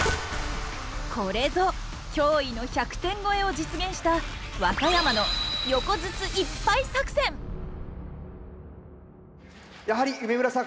これぞ驚異の１００点超えを実現した和歌山のやはり梅村さん